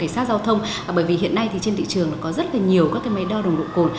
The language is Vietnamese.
cảnh sát giao thông bởi vì hiện nay thì trên thị trường có rất là nhiều các cái máy đo nồng độ cồn